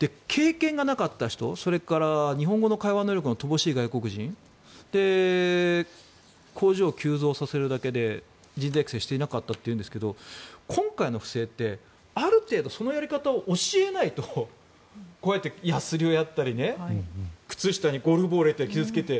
経験がなかった人それから日本語の会話能力の乏しい外国人工場を急増させるだけで人材育成をしていなかったというんですが今回の不正ってある程度、そのやり方を教えないとやすりをやったり靴下にゴルフボールを入れて傷付けて。